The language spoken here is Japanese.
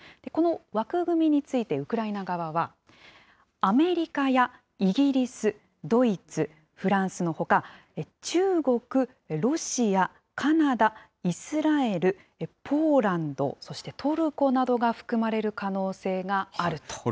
この枠組みについてウクライナ側は、アメリカやイギリス、ドイツ、フランスのほか、中国、ロシア、カナダ、イスラエル、ポーランド、そしてトルコなどが含まれる可能性があると。